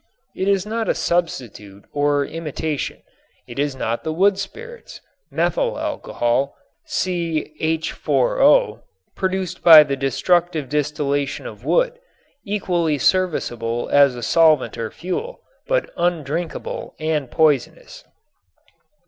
It is not a substitute or imitation. It is not the wood spirits (methyl alcohol, CH_O), produced by the destructive distillation of wood, equally serviceable as a solvent or fuel, but undrinkable and poisonous.